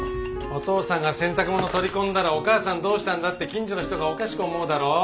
お父さんが洗濯物取り込んだら「お母さんどうしたんだ」って近所の人がおかしく思うだろ？